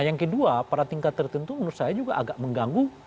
yang kedua pada tingkat tertentu menurut saya juga agak mengganggu